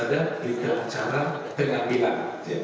ada perintah cara pengambilan